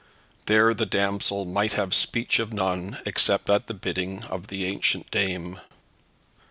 There the damsel might have speech of none, except at the bidding of the ancient dame.